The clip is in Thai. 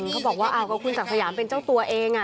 เขาบอกว่าก็คุณศักดิ์สยามเป็นเจ้าตัวเอง